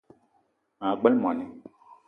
Maa gbele moni